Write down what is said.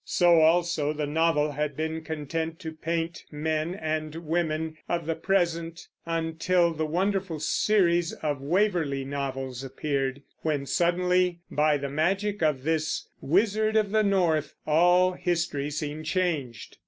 So also the novel had been content to paint men and women of the present, until the wonderful series of Waverley novels appeared, when suddenly, by the magic of this "Wizard of the North," all history seemed changed.